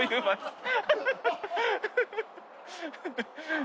ハハハハ。